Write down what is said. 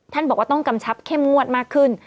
บอกว่าต้องกำชับเข้มงวดมากขึ้น